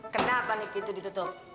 kenapa nih pintu ditutup